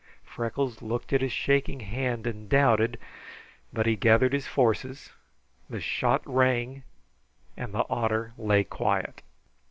Freckles looked at his shaking hand and doubted, but he gathered his forces, the shot rang, and the otter lay quiet.